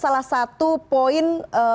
salah satu poin